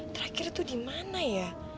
terakhir tuh dimana ya